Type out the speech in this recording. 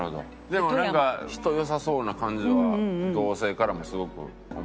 でもなんか人良さそうな感じは同性からもすごく思います。